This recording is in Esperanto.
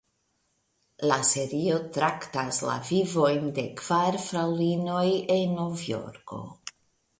La serio traktas la vivojn de kvar fraŭlinoj en Novjorko.